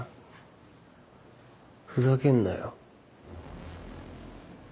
ふざけんなよ。